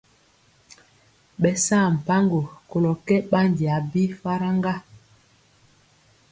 Ɓɛ saa mpaŋgo kolɔ kɛ ɓandi a bi faraŋga.